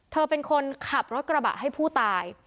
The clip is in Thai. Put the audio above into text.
เธอเป็นคนขับรถกระบะให้ผู้ตาย